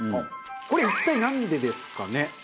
これは一体なんでですかね？